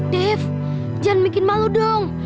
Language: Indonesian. dev jangan bikin malu dong